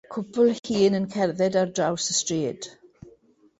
Cwpl hŷn yn cerdded ar draws stryd.